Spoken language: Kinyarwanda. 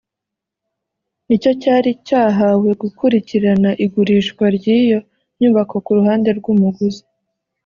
nicyo cyari cyahawe gukurikirana igurishwa ry’iyo nyubako ku ruhande rw’umuguzi